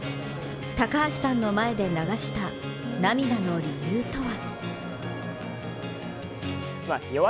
高橋さんの前で流した涙の理由とは。